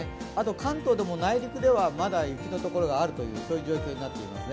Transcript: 関東でも内陸ではまだ雪の所があるという状況になっていますね。